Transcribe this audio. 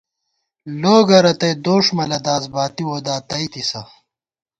لوگہ رتئ دوݭ مہ لداس، باتی وودا تئیتِسہ